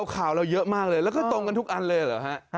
ข่าวเราเยอะมากเลยแล้วก็ตรงกันทุกอันเลยเหรอฮะ